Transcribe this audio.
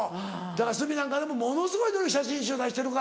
鷲見なんかでもものすごい努力写真集出してるから。